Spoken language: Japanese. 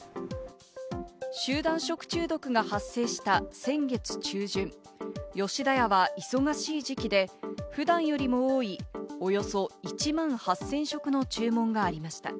集団食中毒が発生した先月中旬、吉田屋は忙しい時期で、普段よりも多い、およそ１万８０００食の注文がありました。